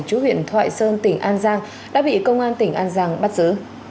chú huyện thoại sơn tỉnh an giang đã bị công an tỉnh an giang bắt giữ